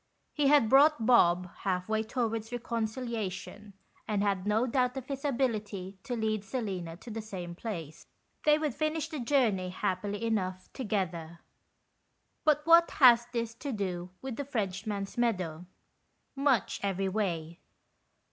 He had brought Bob half way towards reconciliation, and had no doubt of his ability to lead Selina to the same place. They would finish the journey, happily enough, together. But what has this to do with the French man's Meadow ? Much every way.